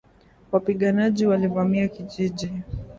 Wapiganaji walivamia kijiji